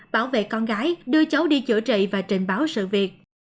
bảo vệ con gái đưa cháu đi chữa trị và trình báo sự việc